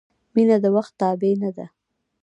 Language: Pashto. • مینه د وخت تابع نه ده.